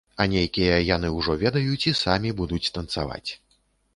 А нейкія яны ўжо ведаюць і самі будуць танцаваць.